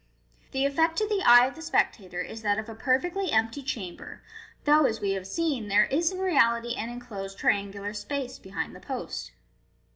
The effect to the eye of the spectator is that of a perfectly empty chamber, though, as we have seen, there is in reality an enclosed triangular space behind the post.